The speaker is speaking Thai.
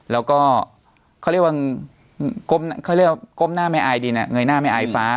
แล้วก็เขาเรียกว่าก้มหน้าไม่อายดินะเงยหน้าไม่อายฟ้า